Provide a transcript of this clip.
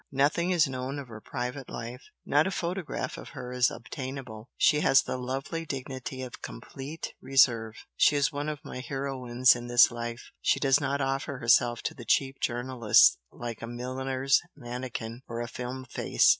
Nothing is known of her private life, not a photograph of her is obtainable she has the lovely dignity of complete reserve. She is one of my heroines in this life she does not offer herself to the cheap journalist like a milliner's mannequin or a film face.